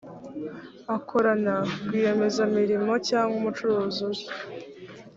akorana rwiyemezamirimo cyangwa umucuruzi uje